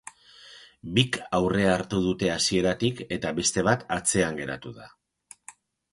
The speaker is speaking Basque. Bik aurrea hartu dute hasieratik, eta beste bat atzean geratu da.